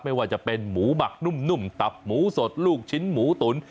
ไม่ว่าจะเป็นหมูหมักนุ่มตับหมูสดลูกชิ้นหมูตุ๋น